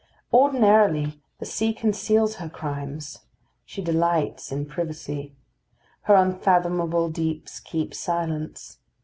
Ordinarily the sea conceals her crimes. She delights in privacy. Her unfathomable deeps keep silence.